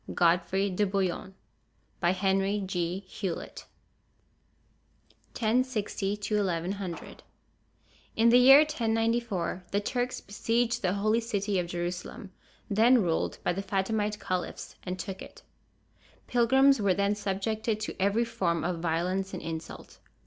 GODFREY DE BOUILLON By HENRY G. HEWLETT (1060 1100) [Illustration: Crusaders. [TN]] In the year 1094 the Turks besieged the Holy City of Jerusalem, then ruled by the Fatimite caliphs, and took it. Pilgrims were then subjected to every form of violence and insult.